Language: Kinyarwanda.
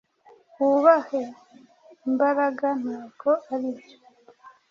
Wubahe imbaraga Ntabwo aribyo